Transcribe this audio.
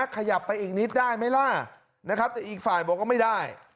ขยับไปอีกนิดได้ไหมล่ะนะครับแต่อีกฝ่ายบอกว่าไม่ได้